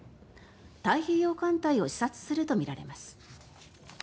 太平洋艦隊を視察するとみられます。